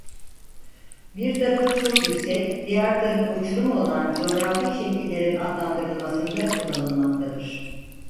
Bir tarafı çok yüksek diğer tarafı uçurum olan coğrafi şekillerin adlandırılmasında kullanılmaktadır.